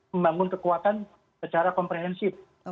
membangun kekuatan secara komprehensif